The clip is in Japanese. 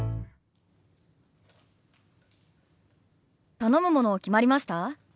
頼むもの決まりました？